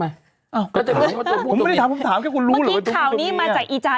เมื่อกี้ข่าวนี้มาจากอีจัน